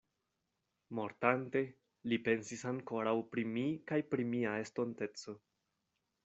Mortante, li pensis ankoraŭ pri mi kaj pri mia estonteco.